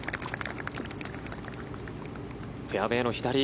フェアウェーの左。